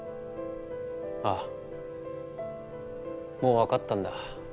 ああもう分かったんだ。